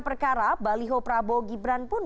perkara baliho prabowo gibran pun